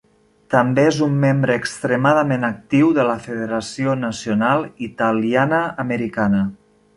També és un membre extremadament actiu de la Federació Nacional Italiana-Americana.